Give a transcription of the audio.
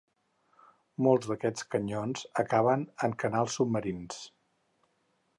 Molts d'aquests canyons acaben en canals submarins.